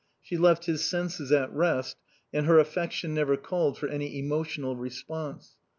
She left his senses at rest, and her affection never called for any emotional response.